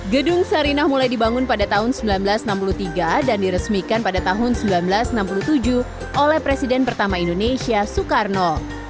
gedung sarinah mulai dibangun pada tahun seribu sembilan ratus enam puluh tiga dan diresmikan pada tahun seribu sembilan ratus enam puluh tujuh oleh presiden pertama indonesia soekarno